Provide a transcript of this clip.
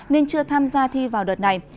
nên chưa tham gia thi vào đợt này